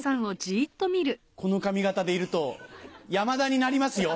この髪形でいると山田になりますよ！